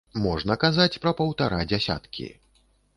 Можна казаць пра паўтара дзясяткі.